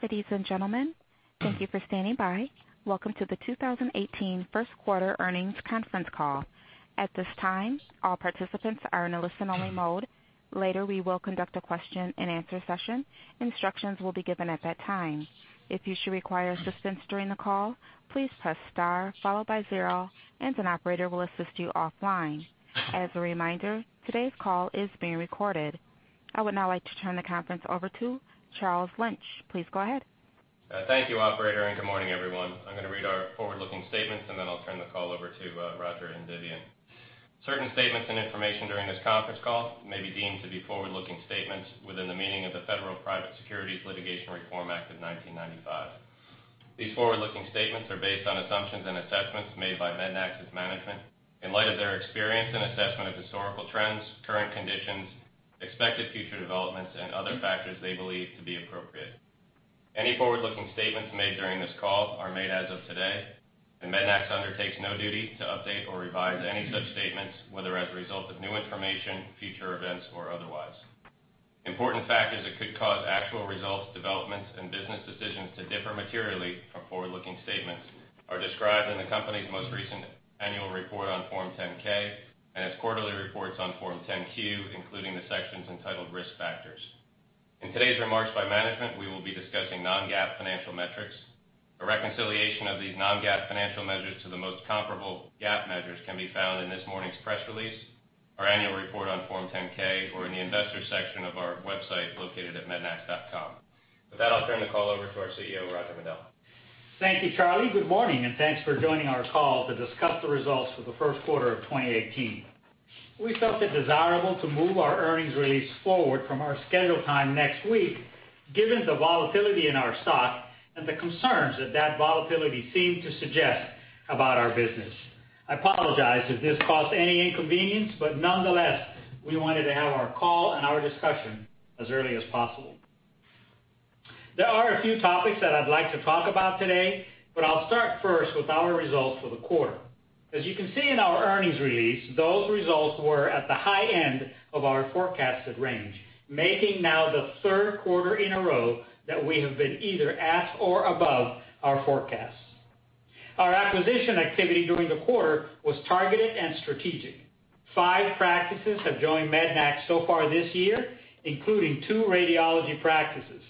Ladies and gentlemen, thank you for standing by. Welcome to the 2018 first quarter earnings conference call. At this time, all participants are in a listen-only mode. Later, we will conduct a question and answer session. Instructions will be given at that time. If you should require assistance during the call, please press star followed by zero, and an operator will assist you offline. As a reminder, today's call is being recorded. I would now like to turn the conference over to Charles Lynch. Please go ahead. Thank you, operator. Good morning, everyone. I'm going to read our forward-looking statements. I'll turn the call over to Roger and Vivian. Certain statements and information during this conference call may be deemed to be forward-looking statements within the meaning of the Federal Private Securities Litigation Reform Act of 1995. These forward-looking statements are based on assumptions and assessments made by Mednax's management in light of their experience and assessment of historical trends, current conditions, expected future developments, and other factors they believe to be appropriate. Any forward-looking statements made during this call are made as of today, and Mednax undertakes no duty to update or revise any such statements, whether as a result of new information, future events, or otherwise. Important factors that could cause actual results, developments, and business decisions to differ materially from forward-looking statements are described in the company's most recent annual report on Form 10-K and its quarterly reports on Form 10-Q, including the sections entitled Risk Factors. In today's remarks by management, we will be discussing non-GAAP financial metrics. A reconciliation of these non-GAAP financial measures to the most comparable GAAP measures can be found in this morning's press release, our annual report on Form 10-K, or in the investor section of our website located at mednax.com. With that, I'll turn the call over to our CEO, Roger Medel. Thank you, Charlie. Good morning. Thanks for joining our call to discuss the results for the first quarter of 2018. We felt it desirable to move our earnings release forward from our scheduled time next week, given the volatility in our stock and the concerns that volatility seemed to suggest about our business. I apologize if this caused any inconvenience. Nonetheless, we wanted to have our call and our discussion as early as possible. There are a few topics that I'd like to talk about today. I'll start first with our results for the quarter. As you can see in our earnings release, those results were at the high end of our forecasted range, making now the third quarter in a row that we have been either at or above our forecasts. Our acquisition activity during the quarter was targeted and strategic. Five practices have joined Mednax so far this year, including two radiology practices.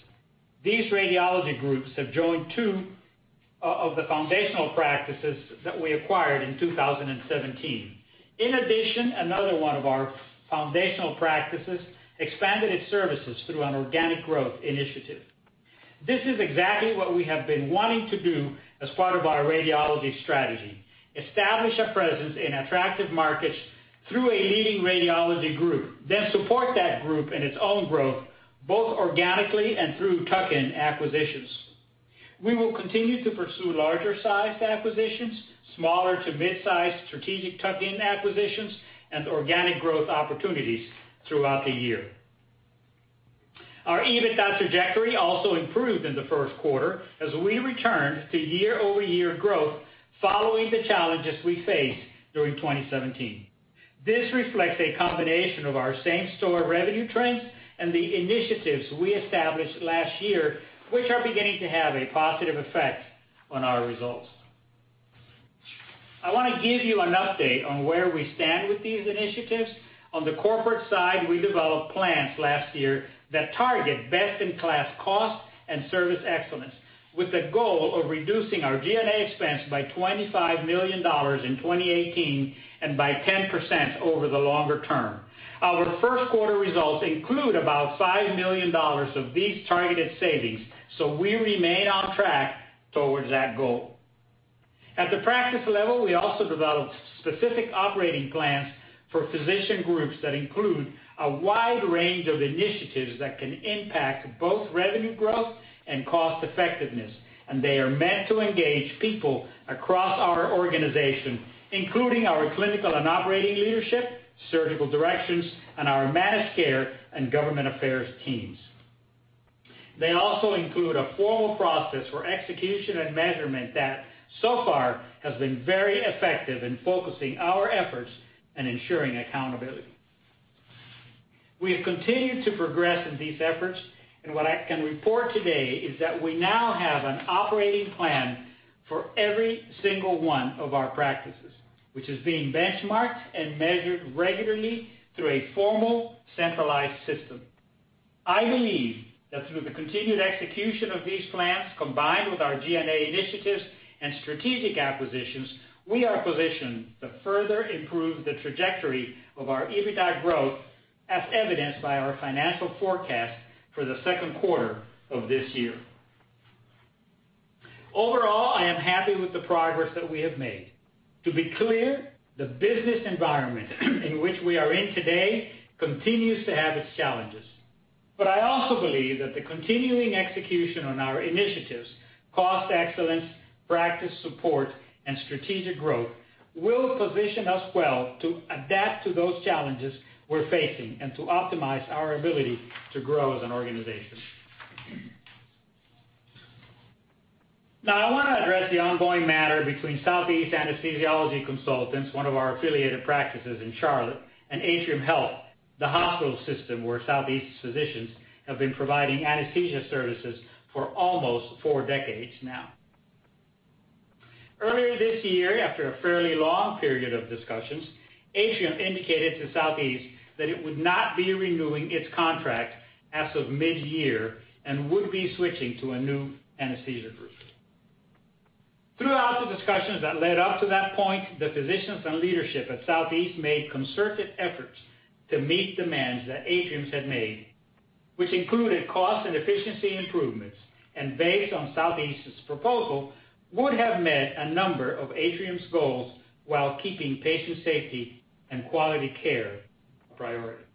These radiology groups have joined two of the foundational practices that we acquired in 2017. In addition, another one of our foundational practices expanded its services through an organic growth initiative. This is exactly what we have been wanting to do as part of our radiology strategy: establish a presence in attractive markets through a leading radiology group, then support that group in its own growth, both organically and through tuck-in acquisitions. We will continue to pursue larger-sized acquisitions, smaller to mid-size strategic tuck-in acquisitions, and organic growth opportunities throughout the year. Our EBITDA trajectory also improved in the first quarter as we returned to year-over-year growth following the challenges we faced during 2017. This reflects a combination of our same-unit revenue trends and the initiatives we established last year, which are beginning to have a positive effect on our results. I want to give you an update on where we stand with these initiatives. On the corporate side, we developed plans last year that target best-in-class cost and service excellence with the goal of reducing our G&A expense by $25 million in 2018 and by 10% over the longer term. Our first quarter results include about $5 million of these targeted savings. We remain on track towards that goal. At the practice level, we also developed specific operating plans for physician groups that include a wide range of initiatives that can impact both revenue growth and cost effectiveness. They are meant to engage people across our organization, including our clinical and operating leadership, Surgical Directions, and our managed care and government affairs teams. They also include a formal process for execution and measurement that so far has been very effective in focusing our efforts and ensuring accountability. We have continued to progress in these efforts. What I can report today is that we now have an operating plan for every single one of our practices, which is being benchmarked and measured regularly through a formal, centralized system. I believe that through the continued execution of these plans, combined with our G&A initiatives and strategic acquisitions, we are positioned to further improve the trajectory of our EBITDA growth, as evidenced by our financial forecast for the second quarter of this year. Overall, I am happy with the progress that we have made. To be clear, the business environment in which we are in today continues to have its challenges. I also believe that the continuing execution on our initiatives, cost excellence, practice support, and strategic growth will position us well to adapt to those challenges we're facing and to optimize our ability to grow as an organization. Now I want to address the ongoing matter between Southeast Anesthesiology Consultants, one of our affiliated practices in Charlotte, and Atrium Health, the hospital system where Southeast physicians have been providing anesthesia services for almost four decades now. Earlier this year, after a fairly long period of discussions, Atrium indicated to Southeast that it would not be renewing its contract as of midyear and would be switching to a new anesthesia group. Throughout the discussions that led up to that point, the physicians and leadership at Southeast made concerted efforts to meet demands that Atrium had made, which included cost and efficiency improvements, and based on Southeast's proposal, would have met a number of Atrium's goals while keeping patient safety and quality care a priority.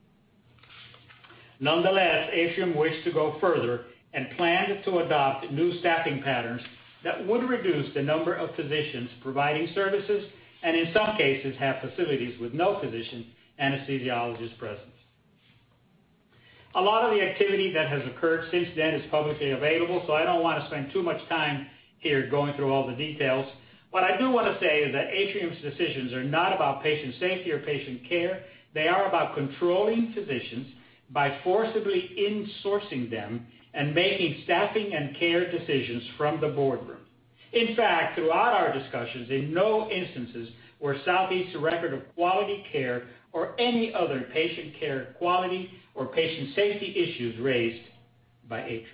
Nonetheless, Atrium wished to go further and planned to adopt new staffing patterns that would reduce the number of physicians providing services, and in some cases, have facilities with no physician anesthesiologist presence. I don't want to spend too much time here going through all the details. What I do want to say is that Atrium's decisions are not about patient safety or patient care. They are about controlling physicians by forcibly insourcing them and making staffing and care decisions from the boardroom. In fact, throughout our discussions, in no instances were Southeast's record of quality care or any other patient care quality or patient safety issues raised by Atrium.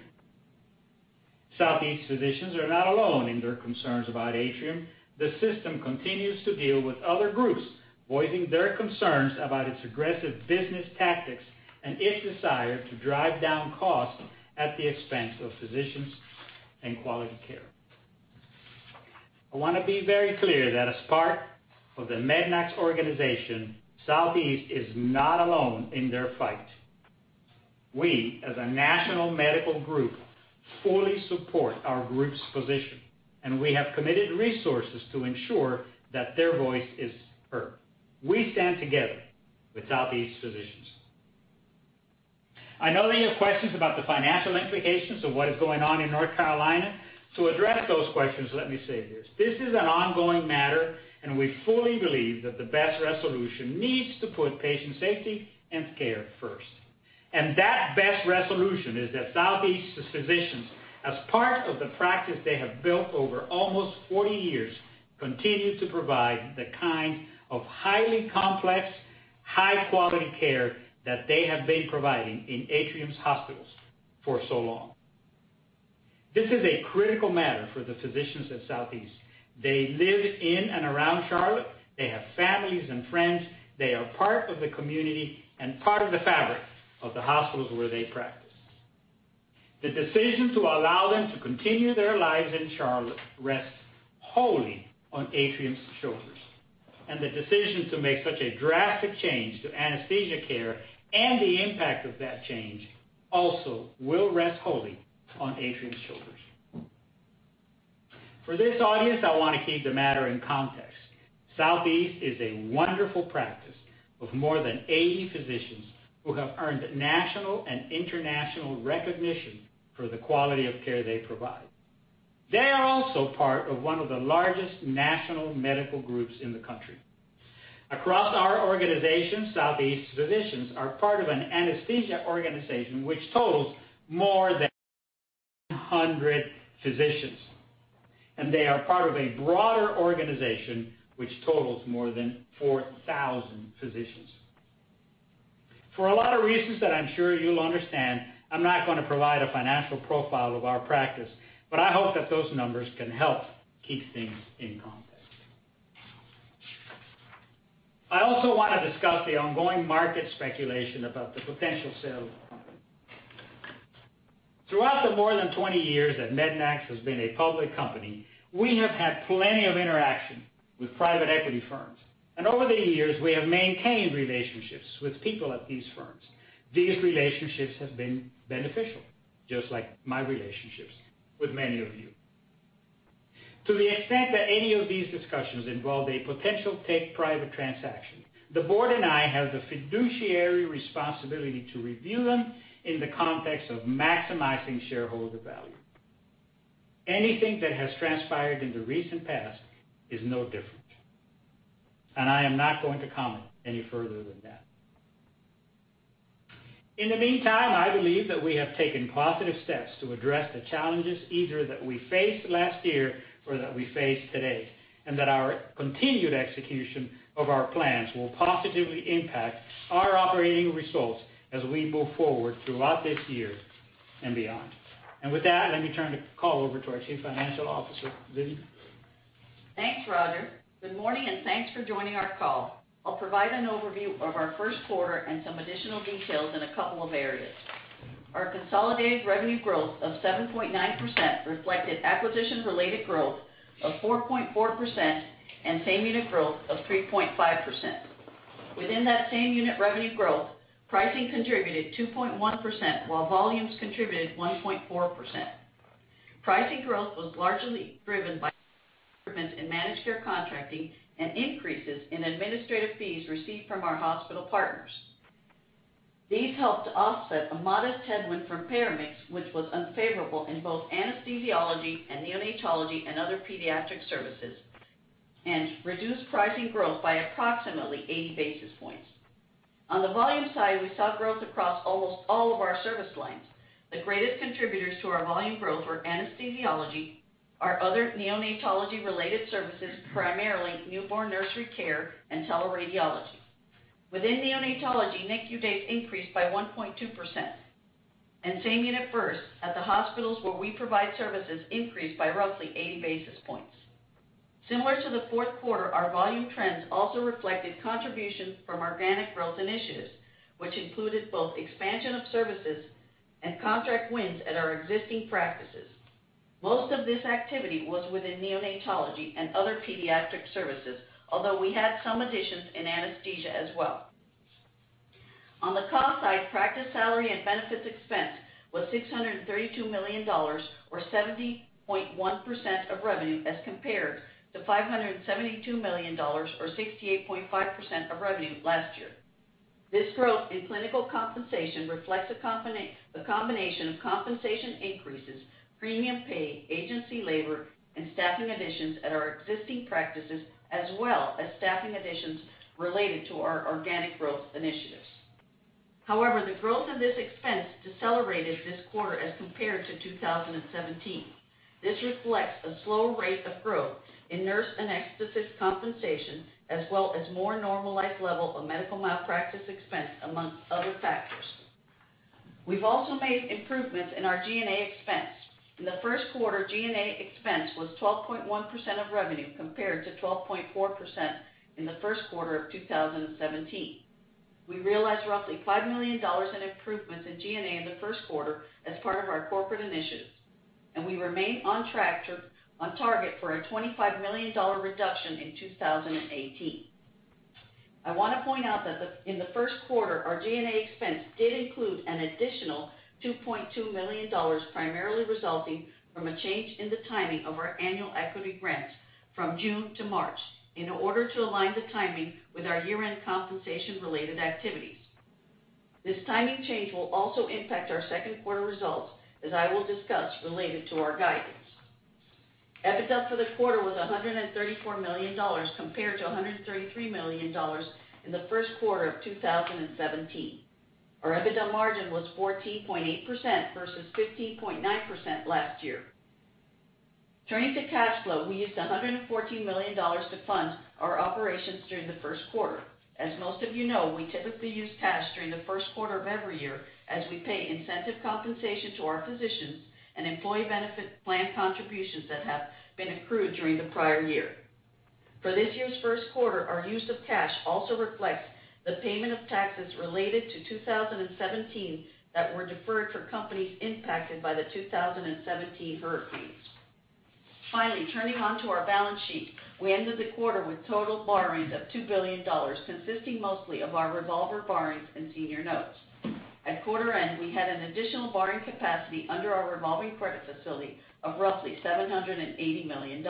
Southeast physicians are not alone in their concerns about Atrium. The system continues to deal with other groups voicing their concerns about its aggressive business tactics and its desire to drive down costs at the expense of physicians and quality care. I want to be very clear that as part of the Mednax organization, Southeast is not alone in their fight. We, as a national medical group, fully support our group's position, and we have committed resources to ensure that their voice is heard. We stand together with Southeast physicians. I know that you have questions about the financial implications of what is going on in North Carolina. To address those questions, let me say this. This is an ongoing matter. We fully believe that the best resolution needs to put patient safety and care first. That best resolution is that Southeast's physicians, as part of the practice they have built over almost 40 years, continue to provide the kind of highly complex, high-quality care that they have been providing in Atrium's hospitals for so long. This is a critical matter for the physicians at Southeast. They live in and around Charlotte. They have families and friends. They are part of the community and part of the fabric of the hospitals where they practice. The decision to allow them to continue their lives in Charlotte rests wholly on Atrium's shoulders. The decision to make such a drastic change to anesthesia care and the impact of that change also will rest wholly on Atrium's shoulders. For this audience, I want to keep the matter in context. Southeast is a wonderful practice of more than 80 physicians who have earned national and international recognition for the quality of care they provide. They are also part of one of the largest national medical groups in the country. Across our organization, Southeast physicians are part of an anesthesia organization which totals more than 100 physicians, and they are part of a broader organization which totals more than 4,000 physicians. For a lot of reasons that I'm sure you'll understand, I'm not going to provide a financial profile of our practice. I hope that those numbers can help keep things in context. I also want to discuss the ongoing market speculation about the potential sale of the company. Throughout the more than 20 years that Mednax has been a public company, we have had plenty of interaction with private equity firms. Over the years, we have maintained relationships with people at these firms. These relationships have been beneficial, just like my relationships with many of you. To the extent that any of these discussions involve a potential take-private transaction, the board and I have the fiduciary responsibility to review them in the context of maximizing shareholder value. Anything that has transpired in the recent past is no different. I am not going to comment any further than that. In the meantime, I believe that we have taken positive steps to address the challenges either that we faced last year or that we face today, that our continued execution of our plans will positively impact our operating results as we move forward throughout this year and beyond. With that, let me turn the call over to our Chief Financial Officer. Lizzie? Thanks, Roger. Good morning and thanks for joining our call. I'll provide an overview of our first quarter and some additional details in a couple of areas. Our consolidated revenue growth of 7.9% reflected acquisition-related growth of 4.4% and same-unit growth of 3.5%. Within that same-unit revenue growth, pricing contributed 2.1%, while volumes contributed 1.4%. Pricing growth was largely driven by improvements in managed care contracting and increases in administrative fees received from our hospital partners. These helped offset a modest headwind from payer mix, which was unfavorable in both anesthesiology and neonatology and other pediatric services, and reduced pricing growth by approximately 80 basis points. On the volume side, we saw growth across almost all of our service lines. The greatest contributors to our volume growth were anesthesiology, our other neonatology-related services, primarily newborn nursery care, and teleradiology. Within neonatology, NICU days increased by 1.2%, and same-unit births at the hospitals where we provide services increased by roughly 80 basis points. Similar to the fourth quarter, our volume trends also reflected contributions from organic growth initiatives, which included both expansion of services and contract wins at our existing practices. Most of this activity was within neonatology and other pediatric services, although we had some additions in anesthesia as well. On the cost side, practice salary and benefits expense was $632 million, or 70.1% of revenue, as compared to $572 million, or 68.5% of revenue last year. This growth in clinical compensation reflects the combination of compensation increases, premium pay, agency labor, and staffing additions at our existing practices, as well as staffing additions related to our organic growth initiatives. However, the growth of this expense decelerated this quarter as compared to 2017. This reflects a slower rate of growth in nurse and anesthetist compensation, as well as more normalized level of medical malpractice expense amongst other factors. We've also made improvements in our G&A expense. In the first quarter, G&A expense was 12.1% of revenue, compared to 12.4% in the first quarter of 2017. We realized roughly $5 million in improvements in G&A in the first quarter as part of our corporate initiatives, and we remain on target for a $25 million reduction in 2018. I want to point out that in the first quarter, our G&A expense did include an additional $2.2 million, primarily resulting from a change in the timing of our annual equity grant from June to March, in order to align the timing with our year-end compensation-related activities. This timing change will also impact our second quarter results, as I will discuss related to our guidance. EBITDA for the quarter was $134 million compared to $133 million in the first quarter of 2017. Our EBITDA margin was 14.8% versus 15.9% last year. Turning to cash flow, we used $114 million to fund our operations during the first quarter. As most of you know, we typically use cash during the first quarter of every year as we pay incentive compensation to our physicians and employee benefit plan contributions that have been accrued during the prior year. For this year's first quarter, our use of cash also reflects the payment of taxes related to 2017 that were deferred for companies impacted by the 2017 hurricanes. Finally, turning onto our balance sheet, we ended the quarter with total borrowings of $2 billion, consisting mostly of our revolver borrowings and senior notes. At quarter end, we had an additional borrowing capacity under our revolving credit facility of roughly $780 million.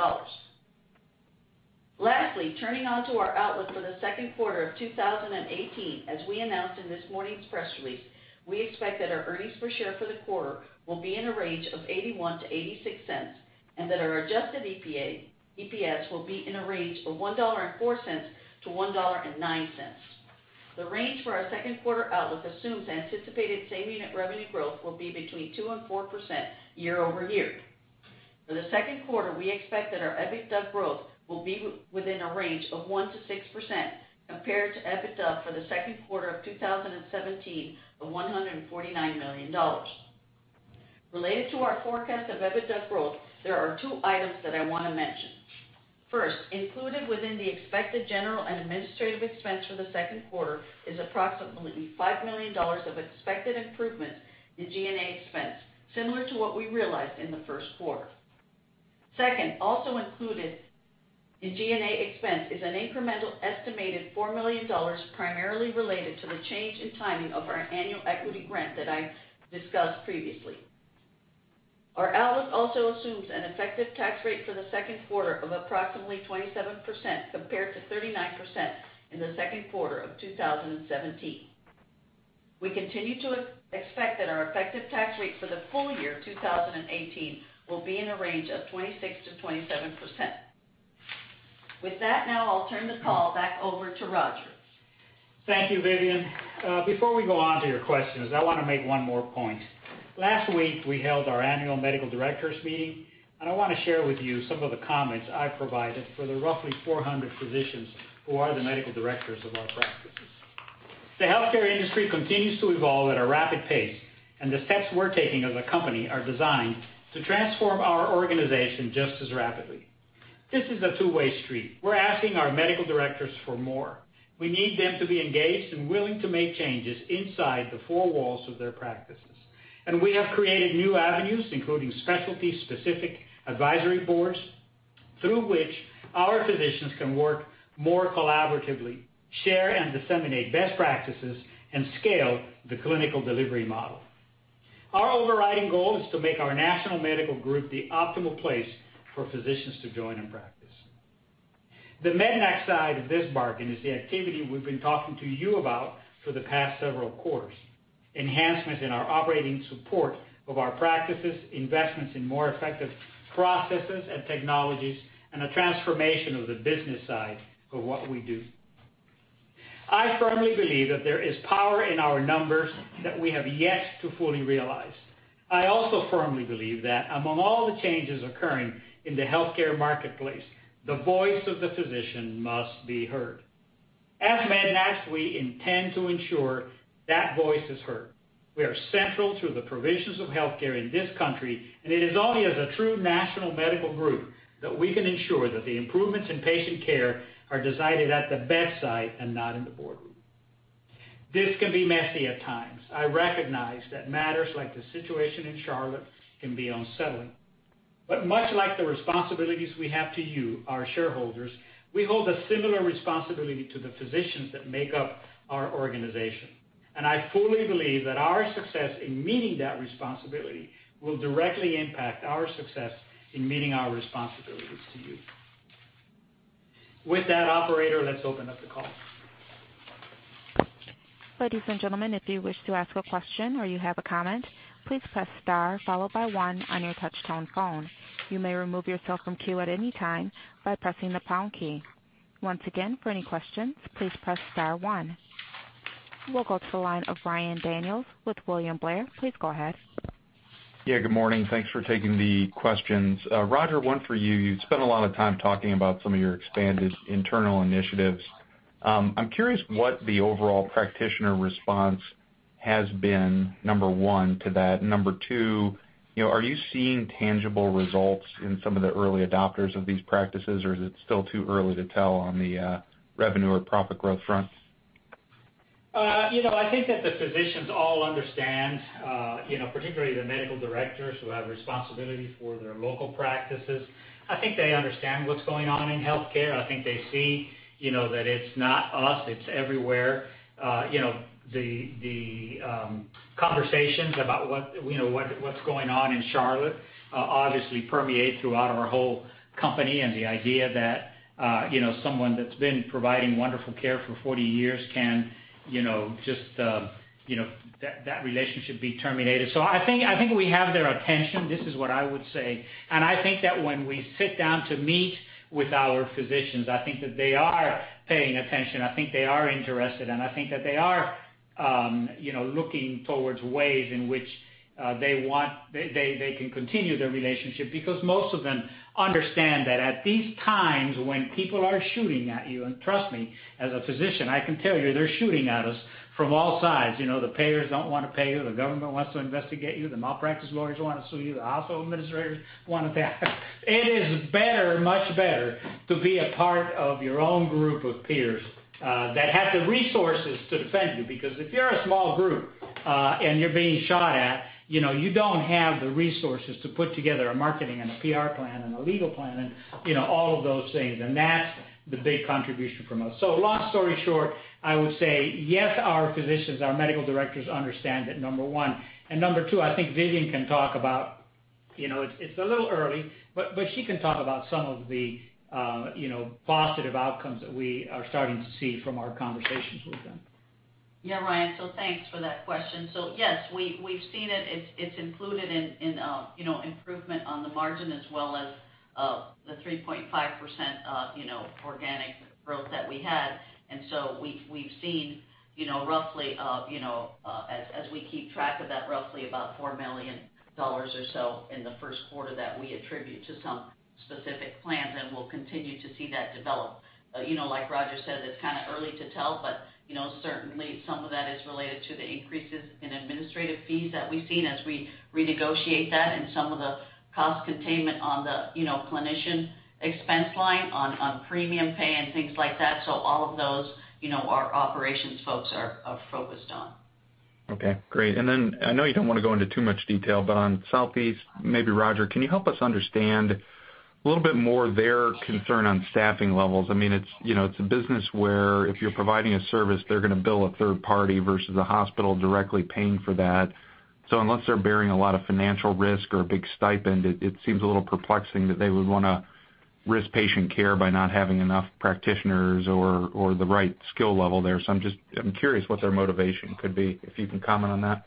Lastly, turning on to our outlook for the second quarter of 2018, as we announced in this morning's press release, we expect that our earnings per share for the quarter will be in a range of $0.81-$0.86, and that our adjusted EPS will be in a range of $1.04-$1.09. The range for our second quarter outlook assumes anticipated same-unit revenue growth will be between 2%-4% year-over-year. For the second quarter, we expect that our EBITDA growth will be within a range of 1%-6%, compared to EBITDA for the second quarter of 2017 of $149 million. Related to our forecast of EBITDA growth, there are two items that I want to mention. First, included within the expected general and administrative expense for the second quarter is approximately $5 million of expected improvements in G&A expense, similar to what we realized in the first quarter. Second, also included in G&A expense is an incremental estimated $4 million primarily related to the change in timing of our annual equity grant that I discussed previously. Our outlook also assumes an effective tax rate for the second quarter of approximately 27%, compared to 39% in the second quarter of 2017. We continue to expect that our effective tax rate for the full year 2018 will be in a range of 26%-27%. With that, now I'll turn the call back over to Roger. Thank you, Vivian. Before we go on to your questions, I want to make one more point. Last week, we held our annual medical directors meeting. I want to share with you some of the comments I provided for the roughly 400 physicians who are the medical directors of our practices. The healthcare industry continues to evolve at a rapid pace, and the steps we're taking as a company are designed to transform our organization just as rapidly. This is a two-way street. We're asking our medical directors for more. We need them to be engaged and willing to make changes inside the four walls of their practices. We have created new avenues, including specialty-specific advisory boards, through which our physicians can work more collaboratively, share and disseminate best practices, and scale the clinical delivery model. Our overriding goal is to make our national medical group the optimal place for physicians to join and practice. The Mednax side of this bargain is the activity we've been talking to you about for the past several quarters: enhancements in our operating support of our practices, investments in more effective processes and technologies, and a transformation of the business side of what we do. I firmly believe that there is power in our numbers that we have yet to fully realize. I also firmly believe that among all the changes occurring in the healthcare marketplace, the voice of the physician must be heard. As Mednax, we intend to ensure that voice is heard. We are central to the provisions of healthcare in this country, and it is only as a true national medical group that we can ensure that the improvements in patient care are decided at the bedside and not in the boardroom. This can be messy at times. I recognize that matters like the situation in Charlotte can be unsettling. Much like the responsibilities we have to you, our shareholders, we hold a similar responsibility to the physicians that make up our organization. I fully believe that our success in meeting that responsibility will directly impact our success in meeting our responsibilities to you. With that, operator, let's open up the call. Ladies and gentlemen, if you wish to ask a question or you have a comment, please press star followed by one on your touch-tone phone. You may remove yourself from queue at any time by pressing the pound key. Once again, for any questions, please press star one. We'll go to the line of Ryan Daniels with William Blair. Please go ahead. Yeah, good morning. Thanks for taking the questions. Roger, one for you. You've spent a lot of time talking about some of your expanded internal initiatives. I'm curious what the overall practitioner response has been, number one to that. Number two, are you seeing tangible results in some of the early adopters of these practices, or is it still too early to tell on the revenue or profit growth front? I think that the physicians all understand, particularly the medical directors who have responsibility for their local practices. I think they understand what's going on in healthcare. I think they see that it's not us, it's everywhere. The conversations about what's going on in Charlotte obviously permeate throughout our whole company and the idea that someone that's been providing wonderful care for 40 years, that relationship be terminated. I think we have their attention. This is what I would say. I think that when we sit down to meet with our physicians, I think that they are paying attention, I think they are interested, and I think that they are looking towards ways in which they can continue their relationship because most of them understand that at these times when people are shooting at you, and trust me, as a physician, I can tell you they're shooting at us from all sides. The payers don't want to pay you, the government wants to investigate you, the malpractice lawyers want to sue you, the hospital administrators want a cut. It is better, much better to be a part of your own group of peers that have the resources to defend you because if you're a small group and you're being shot at, you don't have the resources to put together a marketing and a PR plan and a legal plan and all of those things. That's the big contribution from us. Long story short, I would say yes, our physicians, our medical directors understand that, number one. Number two, I think Vivian can talk about, it's a little early, but she can talk about some of the positive outcomes that we are starting to see from our conversations with them. Ryan. Thanks for that question. Yes, we've seen it. It's included in improvement on the margin as well as the 3.5% organic growth that we had. We've seen roughly, as we keep track of that, roughly about $4 million or so in the first quarter that we attribute to some specific plans, and we'll continue to see that develop. Like Roger said, it's early to tell, but certainly, some of that is related to the increases in administrative fees that we've seen as we renegotiate that and some of the cost containment on the clinician expense line on premium pay and things like that. All of those, our operations folks are focused on. Okay, great. I know you don't want to go into too much detail, but on Southeast, maybe Roger, can you help us understand a little bit more their concern on staffing levels? It's a business where if you're providing a service, they're going to bill a third party versus a hospital directly paying for that. Unless they're bearing a lot of financial risk or a big stipend, it seems a little perplexing that they would want to risk patient care by not having enough practitioners or the right skill level there. I'm curious what their motivation could be, if you can comment on that.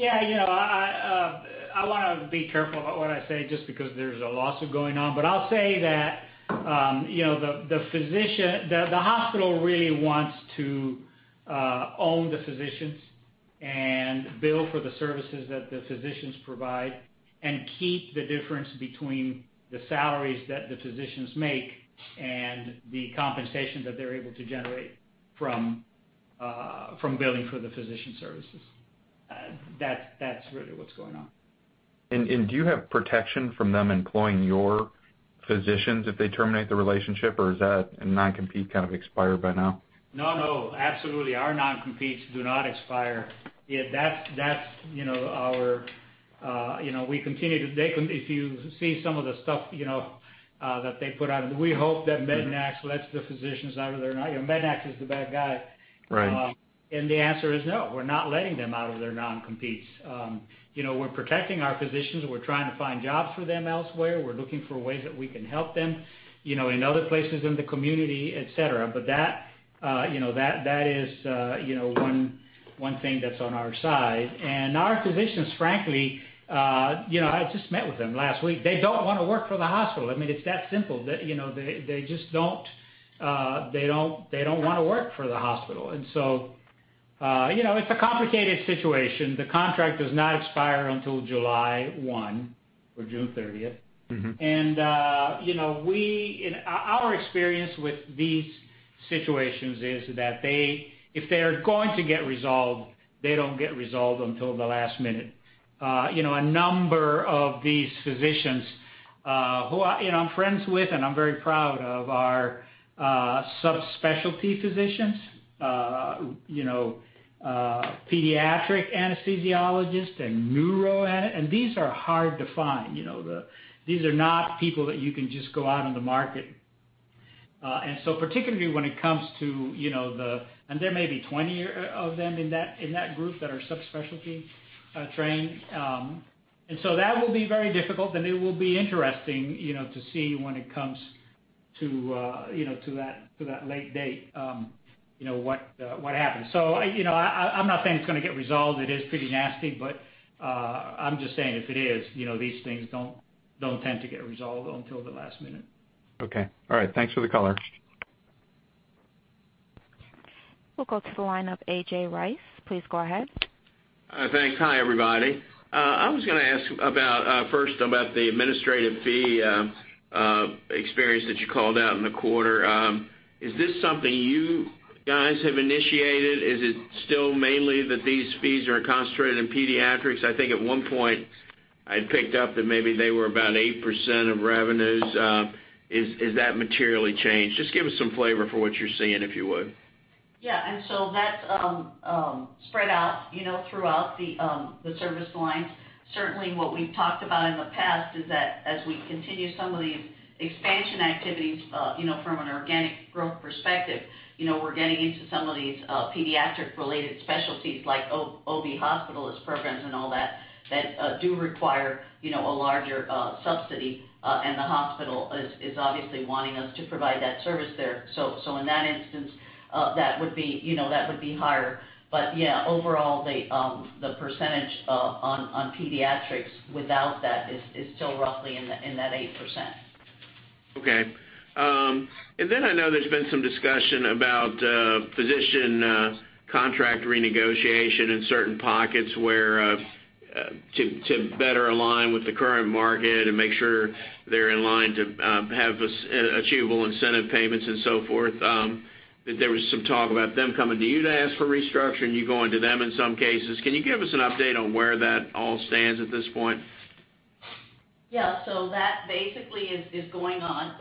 I want to be careful about what I say just because there's a lawsuit going on. I'll say that the hospital really wants to own the physicians and bill for the services that the physicians provide and keep the difference between the salaries that the physicians make and the compensation that they're able to generate from billing for the physician services. That's really what's going on. Do you have protection from them employing your physicians if they terminate the relationship, or is that non-compete kind of expired by now? No, absolutely. Our non-competes do not expire. If you see some of the stuff that they put out, we hope that Mednax lets the physicians out of their. Mednax is the bad guy. Right. The answer is no, we're not letting them out of their non-competes. We're protecting our physicians, we're trying to find jobs for them elsewhere. We're looking for ways that we can help them in other places in the community, et cetera. That is one thing that's on our side. Our physicians, frankly, I just met with them last week. They don't want to work for the hospital. It's that simple. They don't want to work for the hospital. It's a complicated situation. The contract does not expire until July 1 or June 30th. Our experience with these situations is that if they're going to get resolved, they don't get resolved until the last minute. A number of these physicians, who I'm friends with and I'm very proud of, are subspecialty physicians, pediatric anesthesiologists. These are hard to find. These are not people that you can just go out on the market. There may be 20 of them in that group that are subspecialty trained. That will be very difficult, and it will be interesting to see when it comes to that late date what happens. I'm not saying it's going to get resolved. It is pretty nasty. I'm just saying if it is, these things don't tend to get resolved until the last minute. Okay. All right. Thanks for the color. We'll go to the line of A.J. Rice. Please go ahead. Thanks. Hi, everybody. I was going to ask first about the administrative fee experience that you called out in the quarter. Is this something you guys have initiated? Is it still mainly that these fees are concentrated in pediatrics? I think at one point I'd picked up that maybe they were about 8% of revenues. Is that materially changed? Just give us some flavor for what you're seeing, if you would. Yeah. That's spread out throughout the service lines. Certainly, what we've talked about in the past is that as we continue some of these expansion activities from an organic growth perspective, we're getting into some of these pediatric-related specialties like OB hospitalist programs and all that do require a larger subsidy. The hospital is obviously wanting us to provide that service there. In that instance, that would be higher. Yeah, overall, the percentage on pediatrics without that is still roughly in that 8%. Okay. I know there's been some discussion about physician contract renegotiation in certain pockets to better align with the current market and make sure they're in line to have achievable incentive payments and so forth, that there was some talk about them coming to you to ask for restructuring, you going to them in some cases. Can you give us an update on where that all stands at this point? That basically is going on.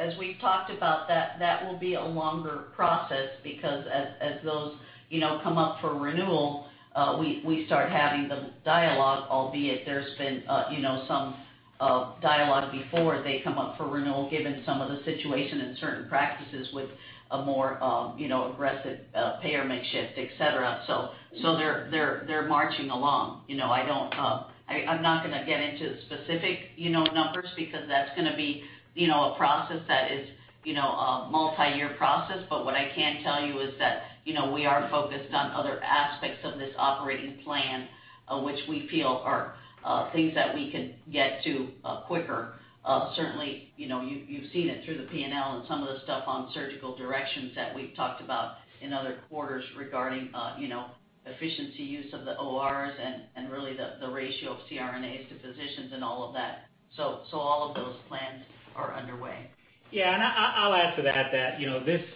As we've talked about, that will be a longer process because as those come up for renewal we start having the dialogue, albeit there's been some dialogue before they come up for renewal given some of the situation in certain practices with a more aggressive payer mix shift, et cetera. They're marching along. I'm not going to get into specific numbers because that's going to be a process that is a multi-year process. What I can tell you is that we are focused on other aspects of this operating plan, which we feel are things that we could get to quicker. Certainly, you've seen it through the P&L and some of the stuff on Surgical Directions that we've talked about in other quarters regarding efficiency use of the ORs and really the ratio of CRNAs to physicians and all of that. All of those plans are underway. I'll add to that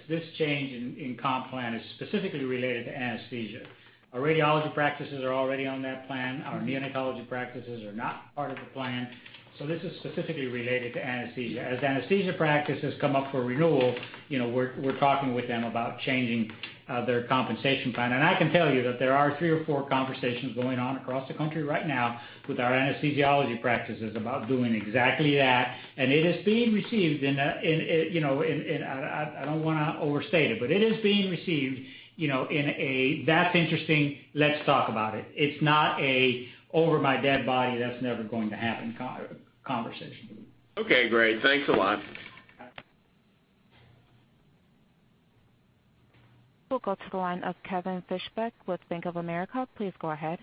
this change in comp plan is specifically related to anesthesia. Our radiology practices are already on that plan. Our neonatology practices are not part of the plan. This is specifically related to anesthesia. As anesthesia practices come up for renewal, we're talking with them about changing their compensation plan. I can tell you that there are three or four conversations going on across the country right now with our anesthesiology practices about doing exactly that, and it is being received in a, I don't want to overstate it, but it is being received in a, "That's interesting. Let's talk about it." It's not a, "Over my dead body. That's never going to happen," conversation. Okay, great. Thanks a lot. We'll go to the line of Kevin Fischbeck with Bank of America. Please go ahead.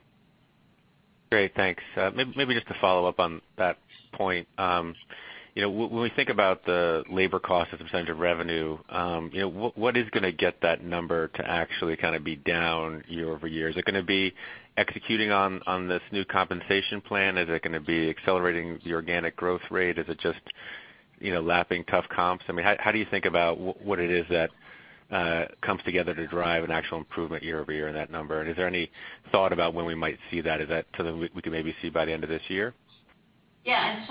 Great. Thanks. Maybe just to follow up on that point. When we think about the labor cost as a percentage of revenue, what is going to get that number to actually be down year-over-year? Is it going to be executing on this new compensation plan? Is it going to be accelerating the organic growth rate? Is it just lapping tough comps? How do you think about what it is that comes together to drive an actual improvement year-over-year in that number? Is there any thought about when we might see that? Is that something we could maybe see by the end of this year? Yeah.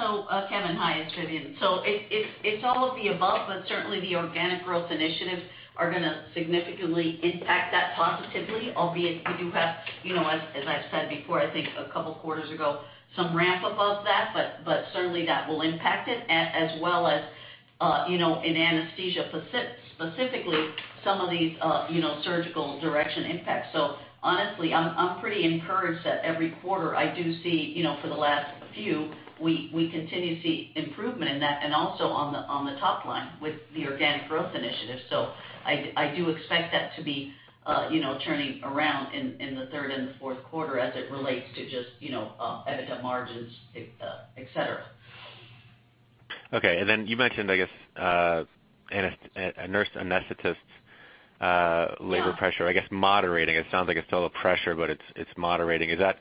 Kevin, hi, it's Vivian. It's all of the above, but certainly the organic growth initiatives are going to significantly impact that positively, albeit we do have, as I've said before, I think a couple of quarters ago, some ramp above that, but certainly that will impact it, as well as in anesthesia, specifically, some of these Surgical Directions impacts. Honestly, I'm pretty encouraged that every quarter I do see, for the last few, we continue to see improvement in that and also on the top line with the organic growth initiative. I do expect that to be turning around in the third and the fourth quarter as it relates to just EBITDA margins, et cetera. Okay. You mentioned, I guess, nurse anesthetist labor pressure, I guess moderating. It sounds like it's still a pressure, but it's moderating. Yeah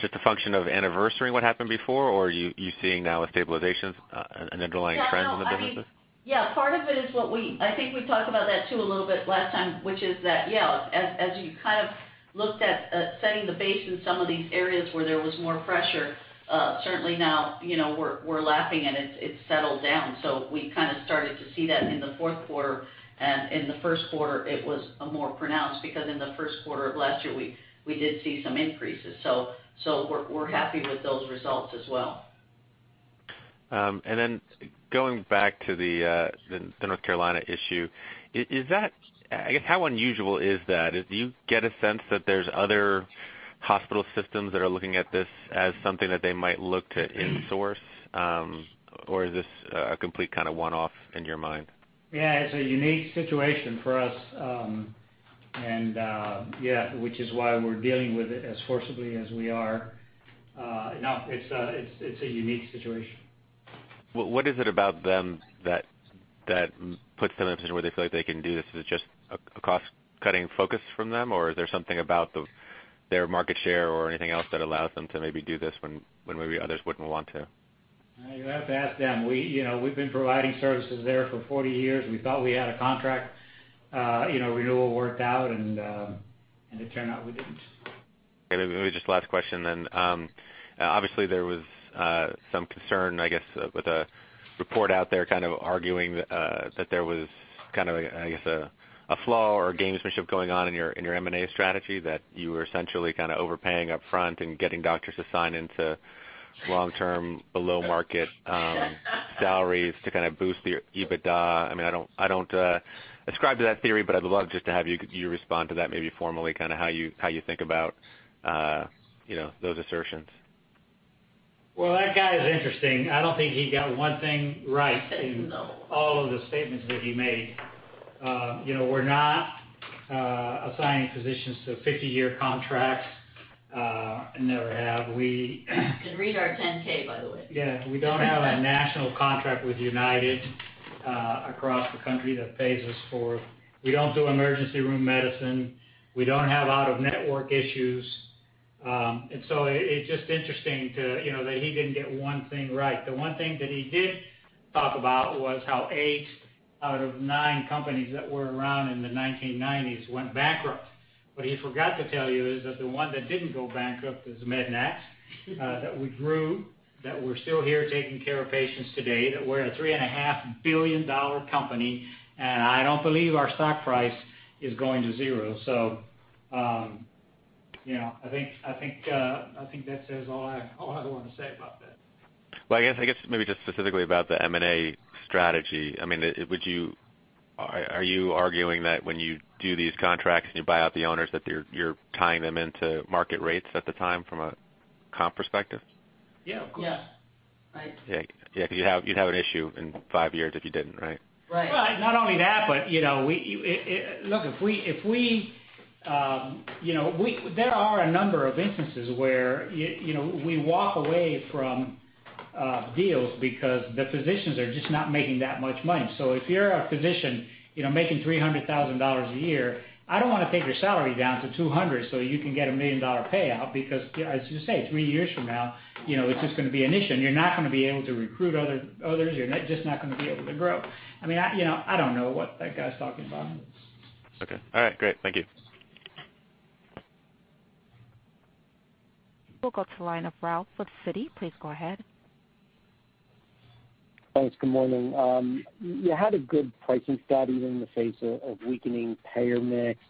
just a function of anniversarying what happened before, or are you seeing now a stabilization, an underlying trend in the businesses? Yeah, part of it is what we, I think we talked about that too a little bit last time, which is that, yeah, as you looked at setting the base in some of these areas where there was more pressure, certainly now, we're lapping, and it's settled down. We started to see that in the fourth quarter. In the first quarter, it was more pronounced because in the first quarter of last year, we did see some increases. We're happy with those results as well. Going back to the North Carolina issue, I guess how unusual is that? Do you get a sense that there's other hospital systems that are looking at this as something that they might look to in-source? Is this a complete one-off in your mind? Yeah, it's a unique situation for us. Yeah, which is why we're dealing with it as forcibly as we are. No, it's a unique situation. What is it about them that puts them in a position where they feel like they can do this? Is it just a cost-cutting focus from them, or is there something about their market share or anything else that allows them to maybe do this when maybe others wouldn't want to? You'll have to ask them. We've been providing services there for 40 years. It turned out we didn't. Maybe just last question. Obviously, there was some concern, I guess, with a report out there kind of arguing that there was, I guess, a flaw or gamesmanship going on in your M&A strategy that you were essentially overpaying upfront and getting doctors to sign into long-term below-market salaries to boost your EBITDA. I don't ascribe to that theory, I'd love just to have you respond to that maybe formally, how you think about those assertions. Well, that guy is interesting. I don't think he got one thing right. No in all of the statements that he made. We're not assigning physicians to 50-year contracts, and never have. You can read our 10-K, by the way. Yeah. We don't have a national contract with UnitedHealthcare across the country that pays us for We don't do emergency room medicine. We don't have out-of-network issues. It's just interesting that he didn't get one thing right. The one thing that he did talk about was how eight out of nine companies that were around in the 1990s went bankrupt. What he forgot to tell you is that the one that didn't go bankrupt is Mednax, that we grew, that we're still here taking care of patients today, that we're a $3.5 billion company, and I don't believe our stock price is going to zero. I think that says all I want to say about that. Well, I guess maybe just specifically about the M&A strategy, are you arguing that when you do these contracts and you buy out the owners that you're tying them into market rates at the time from a comp perspective? Yeah, of course. Yeah. Right. Yeah, because you'd have an issue in five years if you didn't, right? Right. Well, not only that, but look, there are a number of instances where we walk away from deals because the physicians are just not making that much money. If you're a physician making $300,000 a year, I don't want to take your salary down to $200,000 so you can get a million-dollar payout because, as you say, three years from now, it's just going to be an issue, and you're not going to be able to recruit others. You're just not going to be able to grow. I don't know what that guy's talking about. Okay. All right, great. Thank you. We'll go to the line of Ralph with Citi. Please go ahead. Thanks. Good morning. You had a good pricing stat even in the face of weakening payer mix.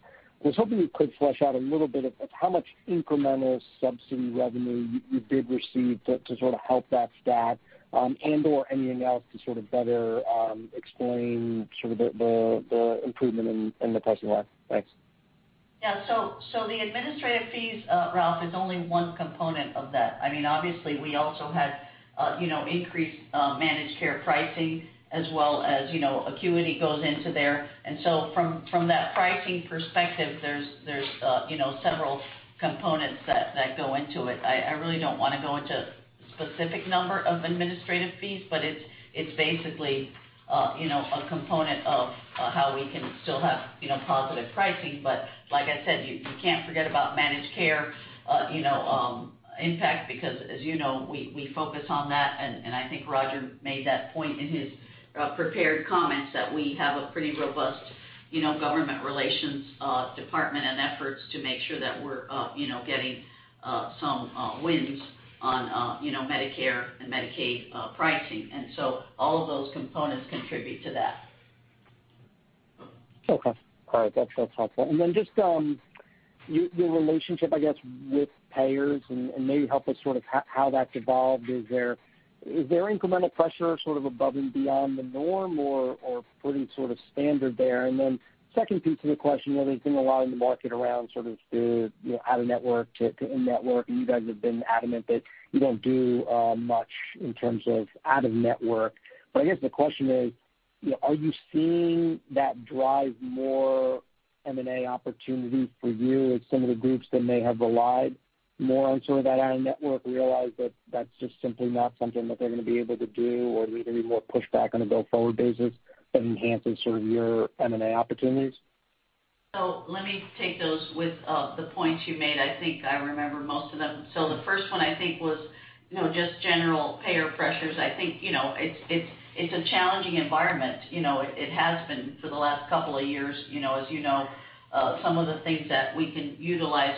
I was hoping you could flesh out a little bit of how much incremental subsidy revenue you did receive to sort of help that stat, and/or anything else to sort of better explain the improvement in the pricing line. Thanks. The administrative fees, Ralph, is only one component of that. Obviously, we also had increased managed care pricing as well as acuity goes into there. From that pricing perspective, there's several components that go into it. I really don't want to go into specific number of administrative fees, but it's basically a component of how we can still have positive pricing. Like I said, you can't forget about managed care impact because as you know, we focus on that, and I think Roger made that point in his prepared comments that we have a pretty robust government relations department and efforts to make sure that we're getting some wins on Medicare and Medicaid pricing. All of those components contribute to that. Okay. All right. That's helpful. Just your relationship, I guess, with payers and maybe help us sort of how that's evolved. Is there incremental pressure sort of above and beyond the norm or pretty sort of standard there? Second piece of the question, there's been a lot in the market around sort of the out-of-network to in-network, and you guys have been adamant that you don't do much in terms of out-of-network. I guess the question is, are you seeing that drive more M&A opportunities for you as some of the groups that may have relied more on sort of that out-of-network realize that that's just simply not something that they're going to be able to do, or do we get any more pushback on a go-forward basis that enhances sort of your M&A opportunities? Let me take those with the points you made. I think I remember most of them. The first one I think was just general payer pressures. I think it's a challenging environment. It has been for the last couple of years. As you know, some of the things that we can utilize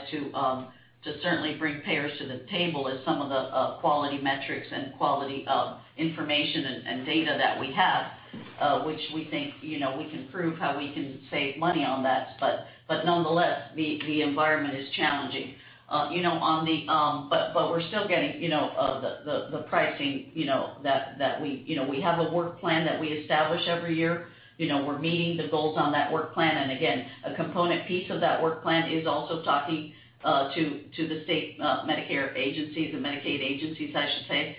to certainly bring payers to the table is some of the quality metrics and quality of information and data that we have, which we think we can prove how we can save money on that. Nonetheless, the environment is challenging. We're still getting the pricing. We have a work plan that we establish every year. We're meeting the goals on that work plan. Again, a component piece of that work plan is also talking to the state Medicare agencies and Medicaid agencies, I should say.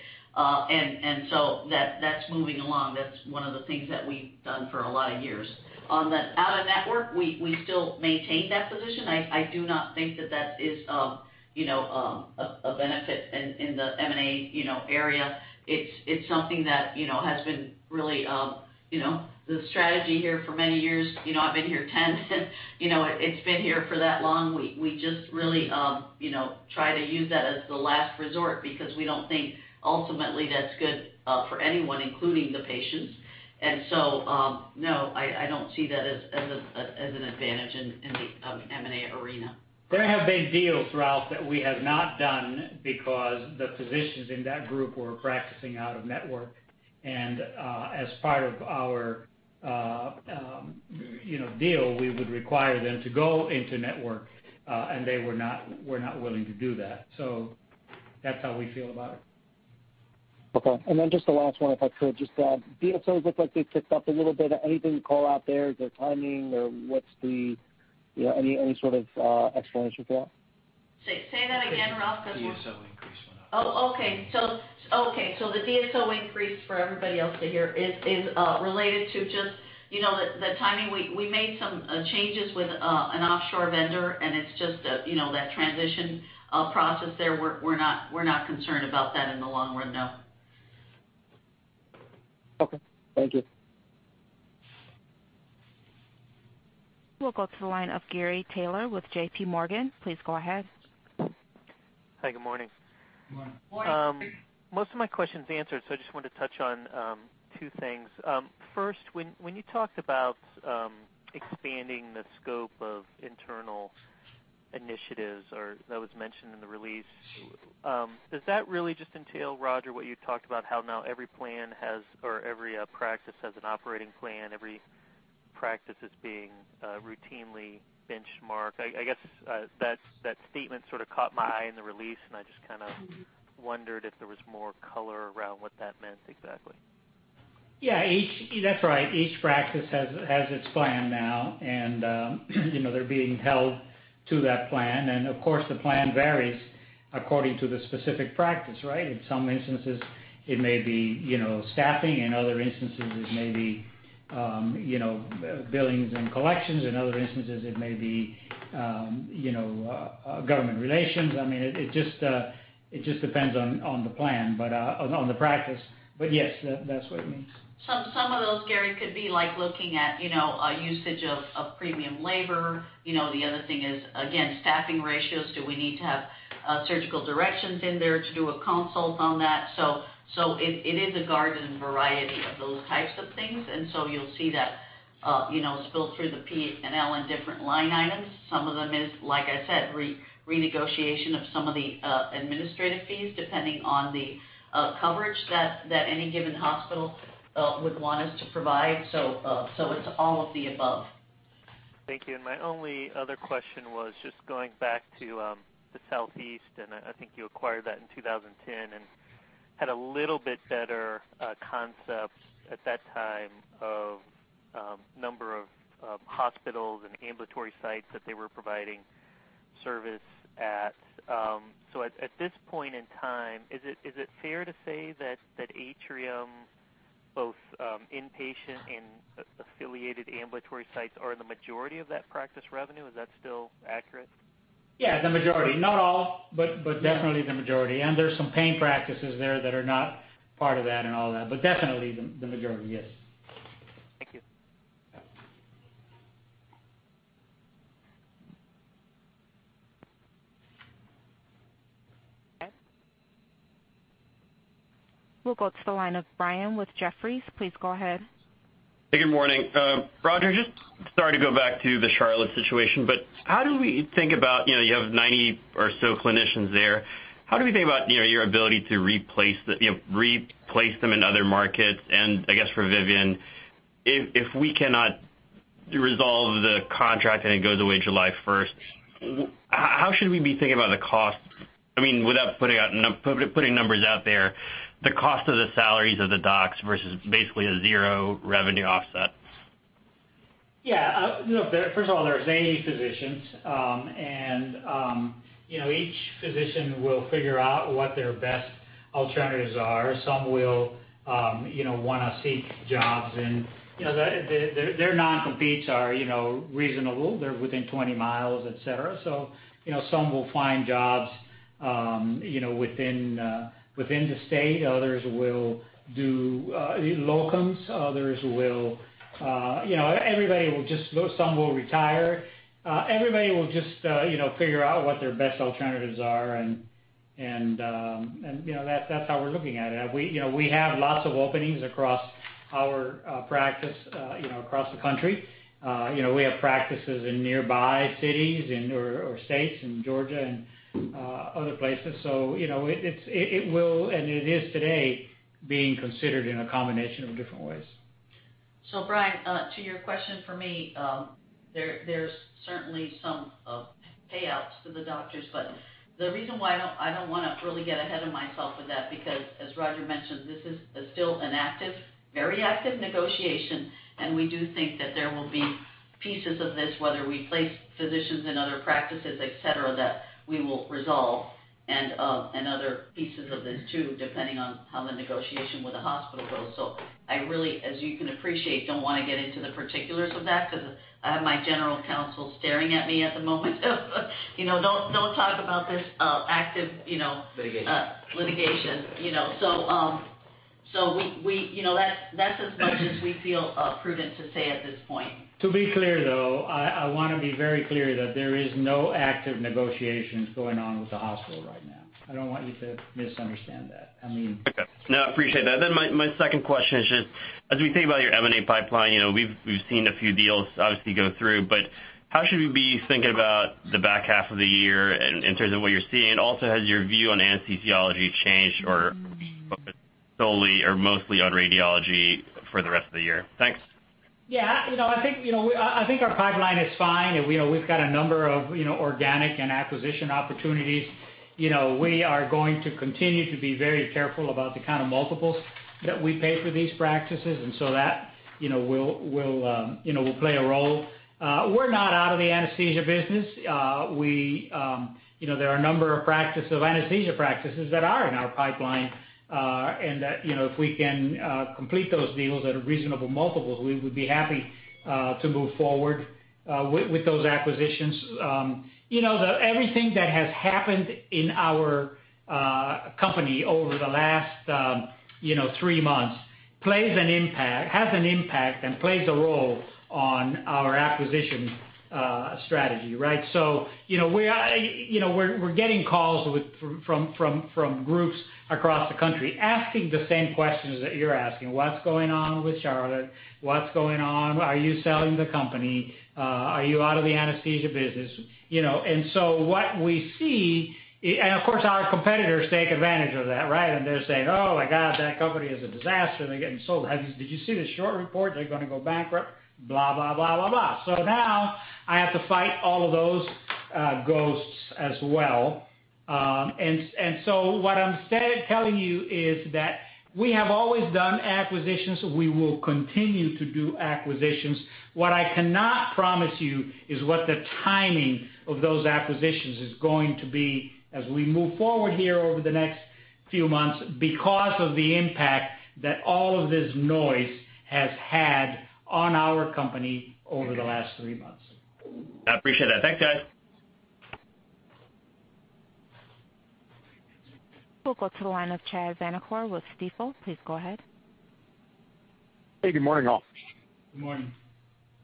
That's moving along. That's one of the things that we've done for a lot of years. On the out-of-network, we still maintain that position. I do not think that that is a benefit in the M&A area. It's something that has been really the strategy here for many years. I've been here ten, and it's been here for that long. We just really try to use that as the last resort because we don't think ultimately that's good for anyone, including the patients. No, I don't see that as an advantage in the M&A arena. There have been deals, Ralph, that we have not done because the physicians in that group were practicing out-of-network. As part of our deal, we would require them to go into network, and they were not willing to do that. That's how we feel about it. Okay. Just the last one, if I could just, DSOs look like they've ticked up a little bit. Anything to call out there? The timing, or any sort of explanation for that? Say that again, Ralph? DSO increase went up. Oh, okay. The DSO increase for everybody else to hear is related to just the timing. We made some changes with an offshore vendor, it's just that transition process there. We're not concerned about that in the long run, no. Okay. Thank you. We'll go to the line of Gary Taylor with JPMorgan. Please go ahead. Hi, good morning. Good morning. Morning. Most of my question's answered, I just wanted to touch on two things. First, when you talked about expanding the scope of internal initiatives, or that was mentioned in the release, does that really just entail, Roger, what you talked about, how now every plan has, or every practice has an operating plan, every practice is being routinely benchmarked? I guess that statement sort of caught my eye in the release, and I just kind of wondered if there was more color around what that meant exactly. Yeah. That's right. Each practice has its plan now, they're being held to that plan. Of course, the plan varies according to the specific practice, right? In some instances, it may be staffing. In other instances, it may be billings and collections. In other instances, it may be government relations. It just depends on the plan, on the practice. Yes, that's what it means. Some of those, Gary, could be like looking at usage of premium labor. The other thing is, again, staffing ratios. Do we need to have Surgical Directions in there to do a consult on that? It is a garden variety of those types of things. You'll see that spill through the P&L in different line items. Some of them is, like I said, renegotiation of some of the administrative fees, depending on the coverage that any given hospital would want us to provide. It's all of the above. Thank you. My only other question was just going back to the Southeast, I think you acquired that in 2010 and had a little bit better concept at that time of number of hospitals and ambulatory sites that they were providing service at. At this point in time, is it fair to say that Atrium, both inpatient and affiliated ambulatory sites, are the majority of that practice revenue? Is that still accurate? Yeah, the majority. Not all, but definitely the majority. There's some pain practices there that are not part of that and all that. Definitely the majority, yes. Thank you. Okay. We'll go to the line of Brian with Jefferies. Please go ahead. Hey, good morning. Roger, sorry to go back to the Charlotte situation, but how do we think about, you have 90 or so clinicians there, how do we think about your ability to replace them in other markets? I guess for Vivian, if we cannot resolve the contract and it goes away July 1st, how should we be thinking about the cost? Without putting numbers out there, the cost of the salaries of the docs versus basically a zero revenue offset. First of all, there's 80 physicians, and each physician will figure out what their best alternatives are. Some will want to seek jobs and their non-competes are reasonable. They're within 20 miles, et cetera. Some will find jobs within the state. Others will do locums. Everybody will just figure out what their best alternatives are, and that's how we're looking at it. We have lots of openings across our practice across the country. We have practices in nearby cities or states, in Georgia and other places. It will, and it is today, being considered in a combination of different ways. Brian, to your question for me, there's certainly some payouts to the doctors, but the reason why I don't want to really get ahead of myself with that, because as Roger mentioned, this is still an active, very active negotiation, and we do think that there will be pieces of this, whether we place physicians in other practices, et cetera, that we will resolve, and other pieces of this too, depending on how the negotiation with the hospital goes. I really, as you can appreciate, don't want to get into the particulars of that because I have my general counsel staring at me at the moment. Don't talk about this. Litigation litigation. That's as much as we feel prudent to say at this point. To be clear, though, I want to be very clear that there is no active negotiations going on with the hospital right now. I don't want you to misunderstand that. Okay. No, I appreciate that. My second question is just as we think about your M&A pipeline, we've seen a few deals obviously go through, how should we be thinking about the back half of the year in terms of what you're seeing? Has your view on anesthesiology changed or solely or mostly on radiology for the rest of the year? Thanks. Yeah. I think our pipeline is fine, we've got a number of organic and acquisition opportunities. We are going to continue to be very careful about the kind of multiples that we pay for these practices, that will play a role. We're not out of the anesthesia business. There are a number of anesthesia practices that are in our pipeline, if we can complete those deals at reasonable multiples, we would be happy to move forward with those acquisitions. Everything that has happened in our company over the last three months has an impact and plays a role on our acquisition strategy, right? We're getting calls from groups across the country asking the same questions that you're asking. What's going on with Charlotte? What's going on? Are you selling the company? Are you out of the anesthesia business? What we see, of course, our competitors take advantage of that, right? They're saying, "Oh my God, that company is a disaster. They're getting sold. Did you see the short report? They're going to go bankrupt," blah, blah, blah. Now I have to fight all of those ghosts as well. What I'm instead telling you is that we have always done acquisitions. We will continue to do acquisitions. What I cannot promise you is what the timing of those acquisitions is going to be as we move forward here over the next few months because of the impact that all of this noise has had on our company over the last three months. I appreciate that. Thanks, guys. We'll go to the line of Chad Vanacore with Stifel. Please go ahead. Hey, good morning, all. Good morning.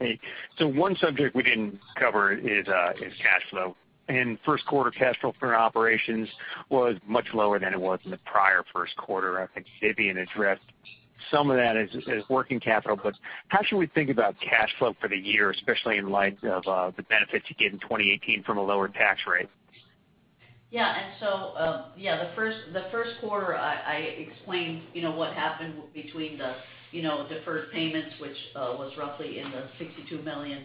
Hey. One subject we didn't cover is cash flow. In first quarter, cash flow from operations was much lower than it was in the prior first quarter. I think Vivian addressed some of that as working capital, how should we think about cash flow for the year, especially in light of the benefits you get in 2018 from a lower tax rate? Yeah. The first quarter, I explained what happened between the deferred payments, which was roughly in the $62 million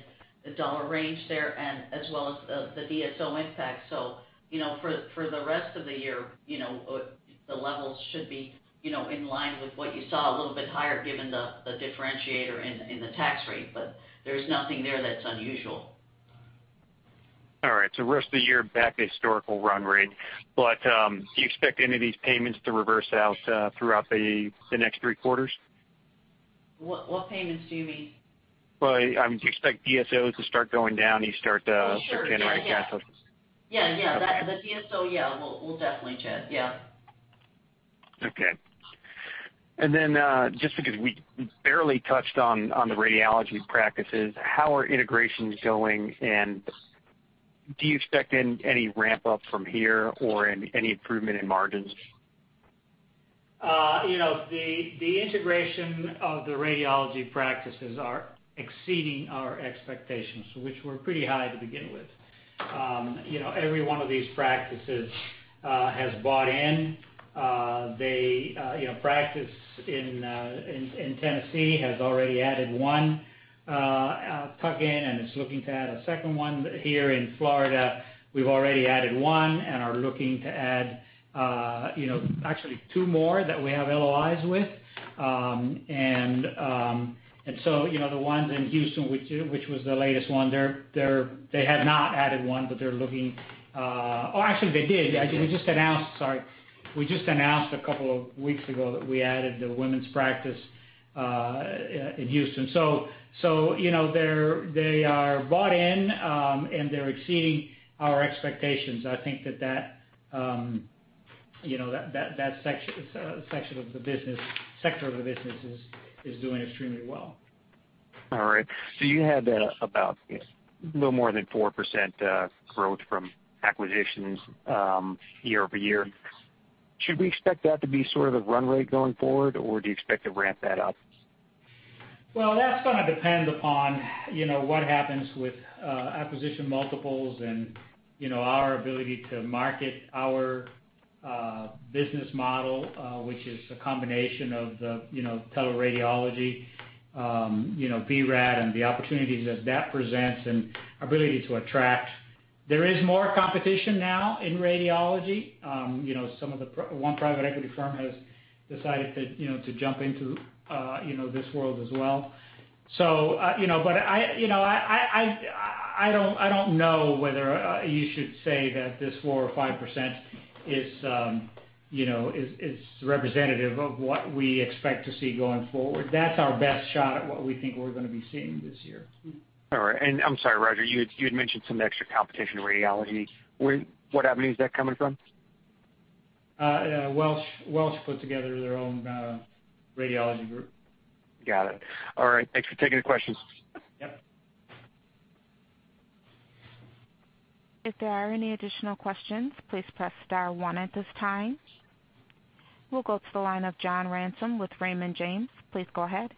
range there, and as well as the DSO impact. For the rest of the year, the levels should be in line with what you saw, a little bit higher given the differentiator in the tax rate. There's nothing there that's unusual. All right. Rest of the year, back to historical run rate. Do you expect any of these payments to reverse out throughout the next three quarters? What payments do you mean? Well, do you expect DSOs to start going down? Well, sure. Yeah. generate cash flows? Yeah. The DSO, yeah, will definitely shift. Yeah. Okay. Then, just because we barely touched on the radiology practices, how are integrations going, and do you expect any ramp-up from here or any improvement in margins? The integration of the radiology practices are exceeding our expectations, which were pretty high to begin with. Every one of these practices has bought in. The practice in Tennessee has already added one tuck-in and is looking to add a second one. Here in Florida, we've already added one and are looking to add actually two more that we have LOIs with. The ones in Houston, which was the latest one, they have not added one, but they're looking actually they did. They did. We just announced, sorry. We just announced a couple of weeks ago that we added the women's practice, in Houston. They are bought in, and they're exceeding our expectations. I think that section of the business is doing extremely well. All right. You had about a little more than 4% growth from acquisitions year-over-year. Should we expect that to be sort of a run rate going forward, or do you expect to ramp that up? Well, that's going to depend upon what happens with acquisition multiples and our ability to market our business model, which is a combination of the teleradiology, vRad, and the opportunities that that presents and ability to attract. There is more competition now in radiology. One private equity firm has decided to jump into this world as well. I don't know whether you should say that this 4% or 5% is representative of what we expect to see going forward. That's our best shot at what we think we're going to be seeing this year. All right. I'm sorry, Roger, you had mentioned some extra competition in radiology. What avenue is that coming from? Welsh put together their own radiology group. Got it. All right. Thanks for taking the questions. Yep. If there are any additional questions, please press star one at this time. We'll go to the line of John Ransom with Raymond James. Please go ahead.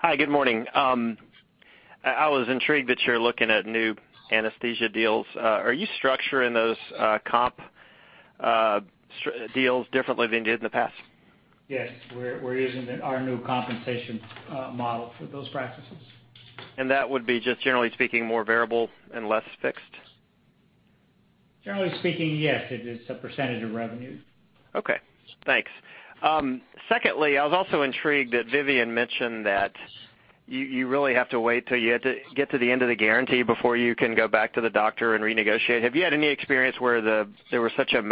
Hi, good morning. I was intrigued that you're looking at new anesthesia deals. Are you structuring those comp deals differently than you did in the past? Yes. We're using our new compensation model for those practices. That would be just generally speaking, more variable and less fixed? Generally speaking, yes, it is a percentage of revenue. Okay, thanks. Secondly, I was also intrigued that Vivian mentioned that you really have to wait till you get to the end of the guarantee before you can go back to the doctor and renegotiate. Have you had any experience where there was such a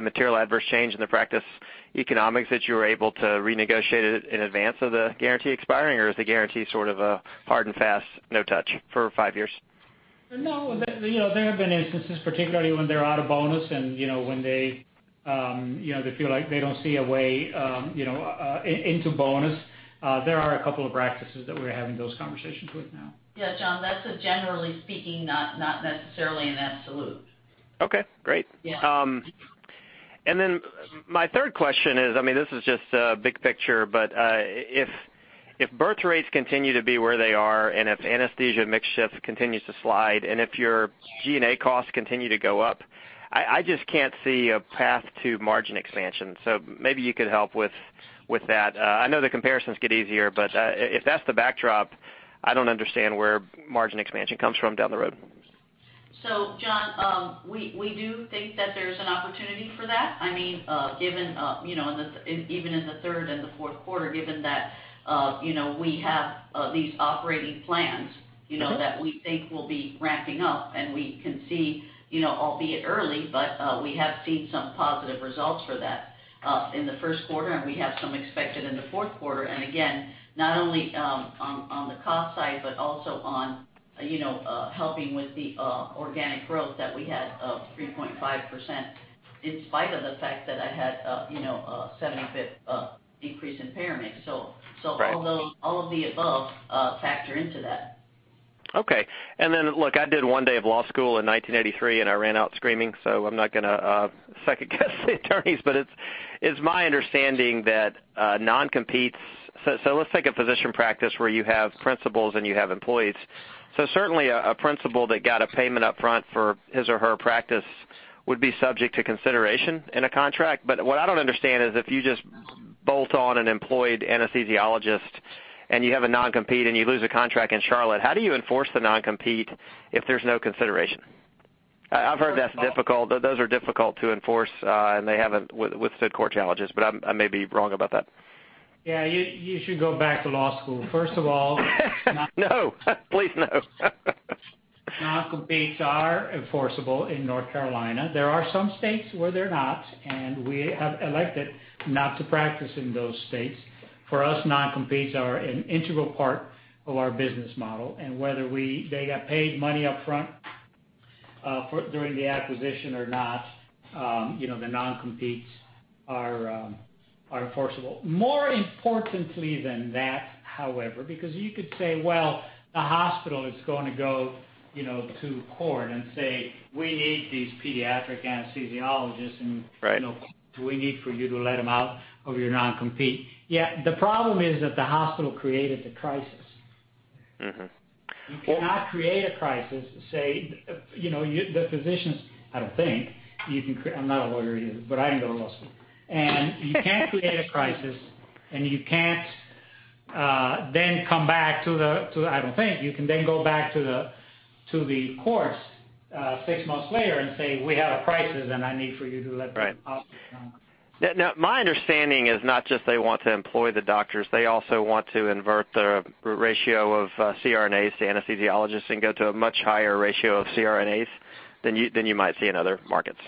material adverse change in the practice economics that you were able to renegotiate it in advance of the guarantee expiring, or is the guarantee sort of a hard and fast, no touch for five years? No. There have been instances, particularly when they're out of bonus and when they feel like they don't see a way into bonus. There are a couple of practices that we're having those conversations with now. Yeah, John, that's a generally speaking, not necessarily an absolute. Okay, great. Yeah. My third question is, this is just big picture, but if birth rates continue to be where they are, if anesthesia mix shift continues to slide, and if your G&A costs continue to go up, I just can't see a path to margin expansion. Maybe you could help with that. I know the comparisons get easier, but if that's the backdrop, I don't understand where margin expansion comes from down the road. John, we do think that there's an opportunity for that. Even in the third and the fourth quarter, given that we have these operating plans- that we think will be ramping up and we can see, albeit early, but we have seen some positive results for that in the first quarter, and we have some expected in the fourth quarter. Not only on the cost side, but also on helping with the organic growth that we had of 3.5%, in spite of the fact that I had a 75% decrease in payer mix. Right All of the above factor into that. Okay. Look, I did one day of law school in 1983, and I ran out screaming, so I'm not going to second guess the attorneys, but it's my understanding that non-competes. Let's take a physician practice where you have principals and you have employees. Certainly a principal that got a payment up front for his or her practice would be subject to consideration in a contract. What I don't understand is if you just bolt on an employed anesthesiologist and you have a non-compete and you lose a contract in Charlotte, how do you enforce the non-compete if there's no consideration? I've heard that's difficult, those are difficult to enforce, and they haven't withstood court challenges, but I may be wrong about that. Yeah, you should go back to law school. No, please no. non-competes are enforceable in North Carolina. There are some states where they're not, and we have elected not to practice in those states. For us, non-competes are an integral part of our business model, and whether they got paid money upfront during the acquisition or not, the non-competes are enforceable. More importantly than that, however, because you could say, well, the hospital is going to go to court and say, "We need these pediatric anesthesiologists, and- Right we need for you to let them out of your non-compete." Yeah. The problem is that the hospital created the crisis. You cannot create a crisis, say, the physicians, I don't think. I'm not a lawyer, either, but I didn't go to law school. You can't create a crisis, and you can't then come back, I don't think, you can then go back to the courts six months later and say, "We have a crisis, and I need for you to let the doctors come. Right. Now, my understanding is not just they want to employ the doctors, they also want to invert the ratio of CRNAs to anesthesiologists and go to a much higher ratio of CRNAs than you might see in other markets.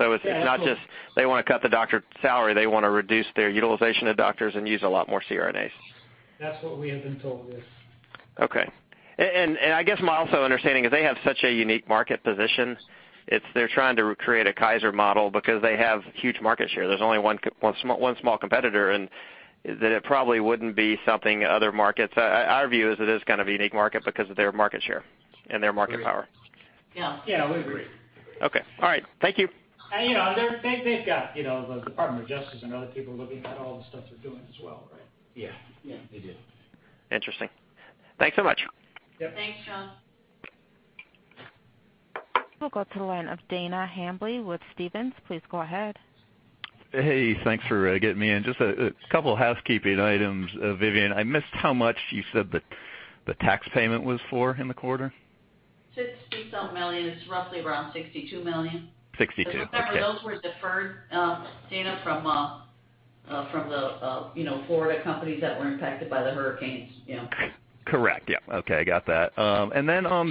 Yeah. It's not just they want to cut the doctor salary, they want to reduce their utilization of doctors and use a lot more CRNAs. That's what we have been told, yes. I guess my also understanding is they have such a unique market position. They're trying to create a Kaiser model because they have huge market share. There's only one small competitor. Our view is it is kind of a unique market because of their market share and their market power. Agreed. Yeah. Yeah, we agree. Okay, all right. Thank you. They've got the Department of Justice and other people looking at all the stuff they're doing as well, right? Yeah. Yeah. They do. Interesting. Thanks so much. Yep. Thanks, John. We'll go to the line of Dana Hamby with Stephens. Please go ahead. Hey, thanks for getting me in. Just a couple housekeeping items. Vivian, I missed how much you said the tax payment was for in the quarter? $60-some million. It's roughly around $62 million. 62. Okay. Remember, those were deferred, Dana, from the Florida companies that were impacted by the hurricanes. Yeah. Correct. Yeah. Okay. Got that. Then on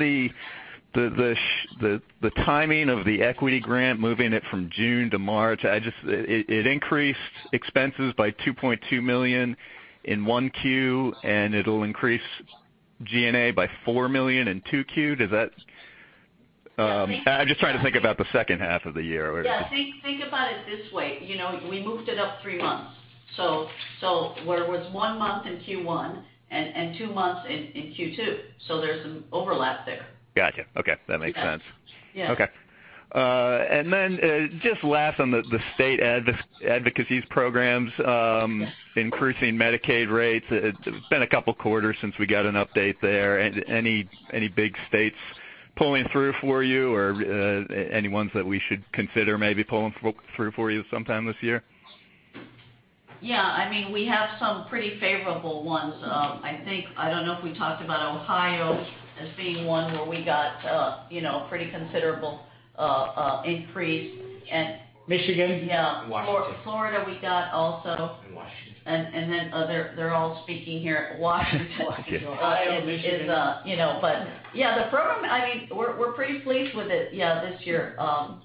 the timing of the equity grant, moving it from June to March, it increased expenses by $2.2 million in one Q, and it'll increase G&A by $4 million in two Q. I'm just trying to think about the second half of the year. Yeah, think about it this way. We moved it up three months. Where it was one month in Q1, and two months in Q2. There's some overlap there. Gotcha. Okay. That makes sense. Yeah. Okay. Just last on the state advocacy programs, increasing Medicaid rates. It's been a couple of quarters since we got an update there. Any big states pulling through for you, or any ones that we should consider maybe pulling through for you sometime this year? Yeah. We have some pretty favorable ones. I don't know if we talked about Ohio as being one where we got a pretty considerable increase. Michigan. Yeah. Washington. Florida, we got also. Washington. Other, they're all speaking here. Washington Washington. Ohio, Michigan. Yeah, the program, we're pretty pleased with it. Yeah, this year,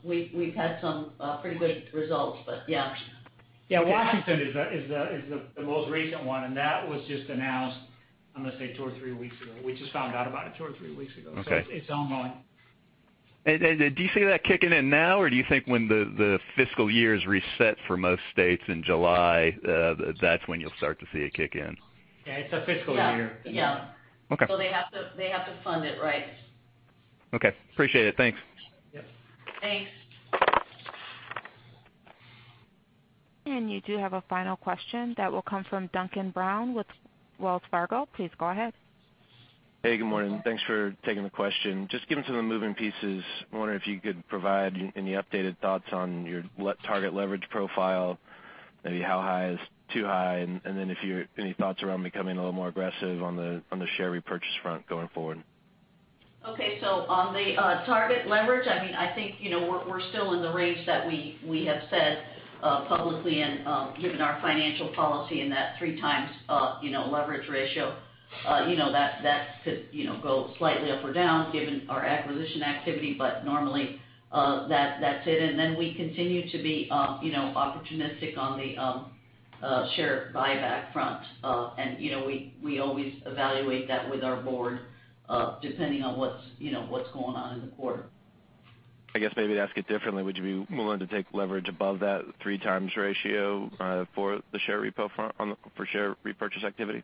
we've had some pretty good results, but yeah. Yeah, Washington is the most recent one, and that was just announced, I'm going to say two or three weeks ago. We just found out about it two or three weeks ago. Okay. It's ongoing. Do you see that kicking in now, or do you think when the fiscal year is reset for most states in July, that's when you'll start to see it kick in? Yeah, it's a fiscal year. Yeah. Okay. They have to fund it right. Okay, appreciate it. Thanks. Yep. Thanks. You do have a final question that will come from A.J. Rice with Wells Fargo. Please go ahead. Hey, good morning. Thanks for taking the question. Just given some of the moving pieces, I wonder if you could provide any updated thoughts on your target leverage profile, maybe how high is too high, and then any thoughts around becoming a little more aggressive on the share repurchase front going forward? On the target leverage, I think, we're still in the range that we have said publicly and given our financial policy in that 3 times leverage ratio. That could go slightly up or down given our acquisition activity, normally, that's it. We continue to be opportunistic on the share buyback front. We always evaluate that with our board, depending on what's going on in the quarter. I guess maybe to ask it differently, would you be willing to take leverage above that 3 times ratio for the share repurchase activity?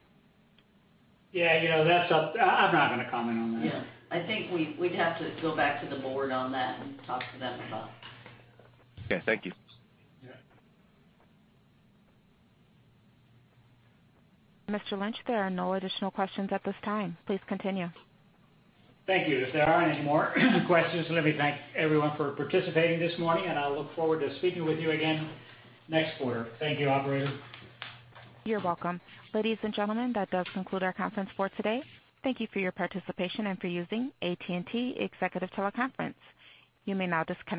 I'm not going to comment on that. I think we'd have to go back to the board on that and talk to them about it. Okay. Thank you. Yeah. Mr. Lynch, there are no additional questions at this time. Please continue. Thank you. If there aren't any more questions, let me thank everyone for participating this morning, and I look forward to speaking with you again next quarter. Thank you, operator. You're welcome. Ladies and gentlemen, that does conclude our conference for today. Thank you for your participation and for using AT&T Executive Teleconference. You may now disconnect.